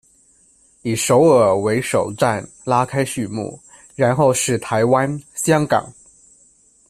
以首尔为首站拉开序幕，然后是台湾、香港。